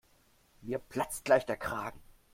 Mir platzt gleich der Kragen.